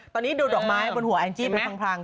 ตอนนี้ดูดอกไม้บนหัวแอลล์จี้เป็นพังก่อน